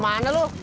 mau kemana lu